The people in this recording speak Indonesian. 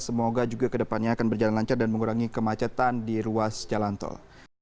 semoga juga kedepannya akan berjalan lancar dan mengurangi kemacetan di ruas jalan tol